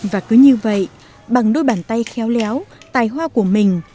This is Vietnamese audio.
và cứ như vậy bằng đôi bàn tay khéo léo tài hoa của mình